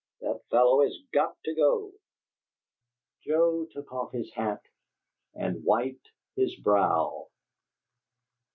That fellow has got to go!" Joe took off his hat and wiped his brow.